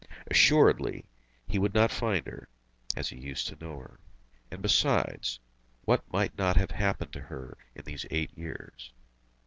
Assuredly he would not find her, as he used to know her. And besides, what might not have happened to her in these eight years?